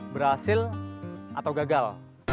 berhasil atau gagal